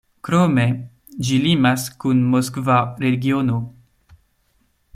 Krome, ĝi limas kun Moskva regiono.